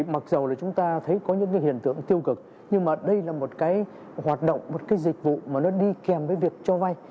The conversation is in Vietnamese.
mặc dù chúng ta thấy có những hiện tượng tiêu cực nhưng đây là một hoạt động một dịch vụ đi kèm với việc cho vay